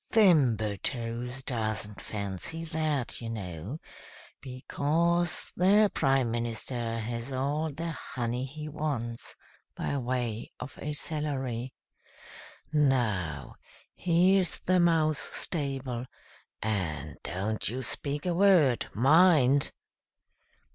Thimbletoes doesn't fancy that, you know, because the Prime Minister has all the honey he wants, by way of a salary. Now, here's the mouse stable, and don't you speak a word mind!"